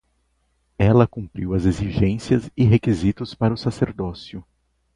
Ela cumpriu as exigências e requisitos para o sacerdócio